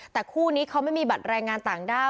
แต่คู่นี้เขาไม่มีบัตรแรงงานต่างด้าว